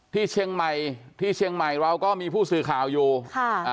ที่เชียงใหม่ที่เชียงใหม่เราก็มีผู้สื่อข่าวอยู่ค่ะอ่า